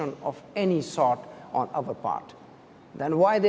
dari segala jenis bagian dari kita